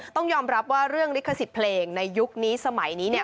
ต้องยอมรับว่าเรื่องลิขสิทธิ์เพลงในยุคนี้สมัยนี้เนี่ย